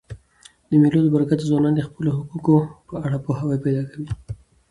د مېلو له برکته ځوانان د خپلو حقوقو په اړه پوهاوی پیدا کوي.